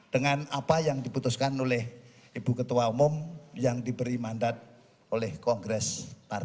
dengan apa yang diputuskan oleh ibu ketua umum yang diberi mandat oleh kongres partai